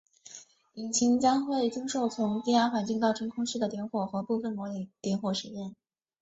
引擎将会经受从低压环境到真空室的点火和部分模拟点火实验。